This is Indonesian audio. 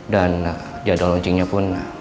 dan jadwal launching nya pun